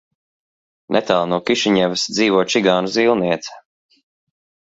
Netālu no Kišiņevas dzīvo čigānu zīlniece.